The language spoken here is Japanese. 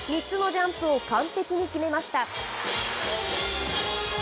３つのジャンプを完璧に決めました。